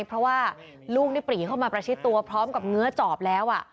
เพราะว่าลูกนี่ปรีเข้ามาประชิดตัวพร้อมกับเนื้อจอบแล้ว